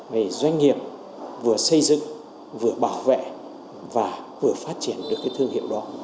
về doanh nghiệp vừa xây dựng vừa bảo vệ và vừa phát triển được cái thương hiệu đó